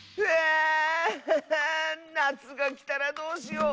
「なつがきたらどうしよう！